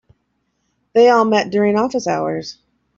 They all met during office hours.